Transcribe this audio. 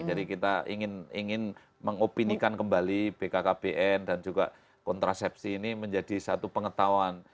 jadi kita ingin mengopinikan kembali bkkbn dan juga kontrasepsi ini menjadi satu pengetahuan